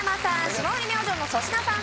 霜降り明星の粗品さん